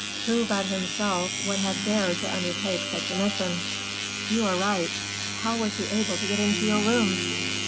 "Who but himself would have dared to undertake such a mission?" "You are right. How was he able to get into your rooms?"